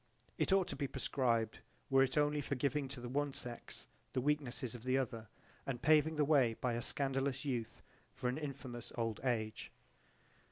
"It ought to be proscribed were it only for its giving to the one sex the weaknesses of the other and paving the way by a scandalous youth for an infamous old age."